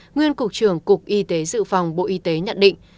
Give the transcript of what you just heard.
nguyên cục trưởng cục y tế dự phòng bộ y tế nhận định